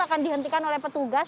akan dihentikan oleh petugas